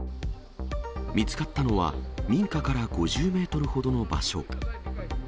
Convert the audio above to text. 見つかったのは、民家から５０メートルほどの場所。